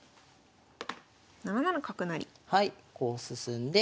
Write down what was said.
こう進んで。